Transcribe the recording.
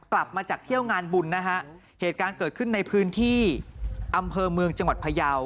กลับมาจากเที่ยวงานบุญนะฮะเหตุการณ์เกิดขึ้นในพื้นที่อำเภอเมืองจังหวัดพยาว